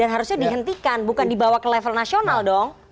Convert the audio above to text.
hentikan bukan dibawa ke level nasional dong